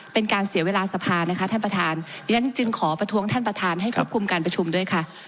เป็นการเสียเวลาสภานะคะท่านประธานดิฉันจึงขอประท้วงท่านประธานให้ควบคุมการประชุมด้วยค่ะ